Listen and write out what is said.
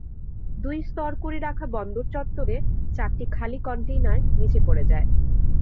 দুই স্তর করে রাখা বন্দর চত্বরে চারটি খালি কনটেইনার নিচে পড়ে যায়।